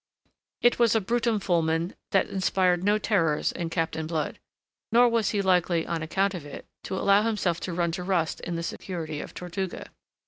It was a brutum fulmen that inspired no terrors in Captain Blood. Nor was he likely, on account of it, to allow himself to run to rust in the security of Tortuga.